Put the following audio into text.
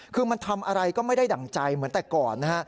คือมันทำอะไรก็ไม่ได้ดั่งใจเหมือนแต่ก่อนนะฮะ